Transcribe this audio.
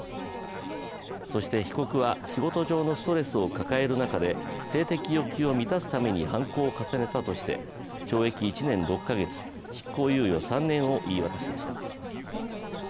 そして、被告は仕事上のストレスを抱える中で性的欲求を満たすために犯行を重ねたとして懲役１年６か月執行猶予３年を言い渡しました。